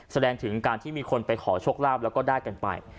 แสดงถึงการที่มีคนไปขอโชคลาภแล้วก็ได้กันไป